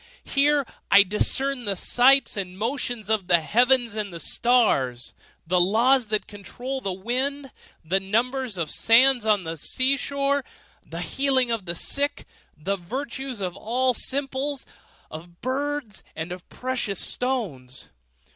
Here I discern the signs and motions of the heavens and the stars; the laws that control the winds; the number of the sands on the seashore; the healing of the sick; the virtues of all simples, of birds, and of precious stones.